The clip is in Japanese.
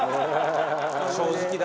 正直だ。